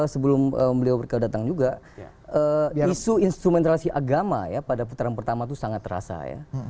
sebelum beliau datang juga isu instrumentasi agama ya pada putaran pertama itu sangat terasa ya